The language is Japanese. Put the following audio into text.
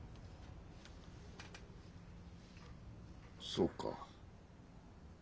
そうか。